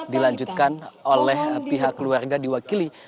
dilanjutkan oleh pihak keluarga diwakili